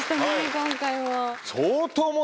今回も。